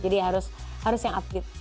jadi harus yang upbeat